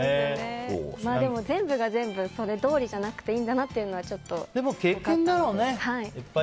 でも全部が全部それどおりじゃなくていいんだなというのはちょっと分かって。